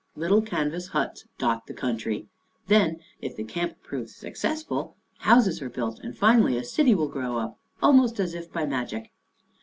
Little canvas huts dot the country. Then if the camp proves successful, houses are built and finally a city will grow up, almost as if by magic.